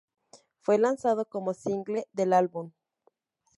Fue lanzado como single del álbum.